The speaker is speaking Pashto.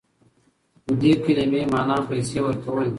د دې کلمې معنی پیسې ورکول دي.